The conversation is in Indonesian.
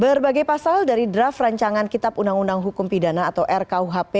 berbagai pasal dari draft rancangan kitab undang undang hukum pidana atau rkuhp